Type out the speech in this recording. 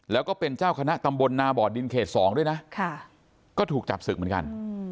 แล้วก็เป็นเจ้าคณะตำบลนาบ่อดินเขต๒ด้วยนะก็ถูกจับศึกเหมือนกัน